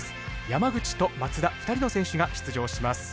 山口と松田２人の選手が出場します。